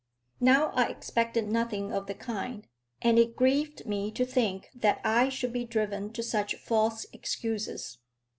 Now I expected nothing of the kind, and it grieved me to think that I should be driven to such false excuses.